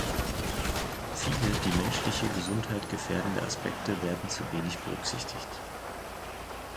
Viele die menschliche Gesundheit gefährdende Aspekte werden zu wenig berücksichtigt.